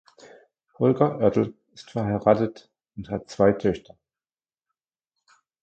Holger Oertel ist verheiratet und hat zwei Töchter.